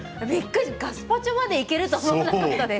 ガスパチョまでいけると思わなかったです。